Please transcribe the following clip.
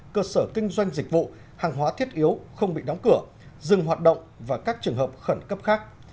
cơ sở kinh doanh dịch vụ hàng hóa thiết yếu không bị đóng cửa dừng hoạt động và các trường hợp khẩn cấp khác